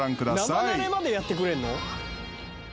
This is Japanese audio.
生ナレまでやってくれんの？